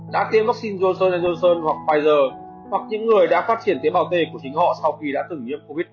đã tiêm vắc xin johnson johnson hoặc pfizer hoặc những người đã phát triển tế bào t của chính họ sau khi đã từng nhiễm covid một mươi chín